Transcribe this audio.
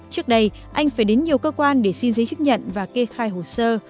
trước đây anh phải đến nhiều cơ quan để xin giấy chứng nhận và kê khai hồ sơ